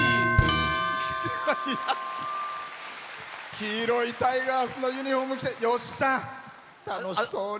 黄色いタイガースのユニフォームを着て、吉さん楽しそうに。